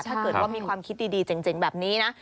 ถ้าเกิดว่ามีความคิดดีเจ๋งแบบนี้นะ